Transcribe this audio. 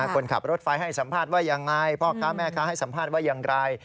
คนขับรถไฟให้สัมภาษณ์ว่ายังไงพ่อค้าแม่ค้าให้สัมภาษณ์ว่าอย่างไร